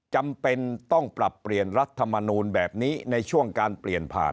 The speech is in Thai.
จำเป็นต้องปรับเปลี่ยนรัฐมนูลแบบนี้ในช่วงการเปลี่ยนผ่าน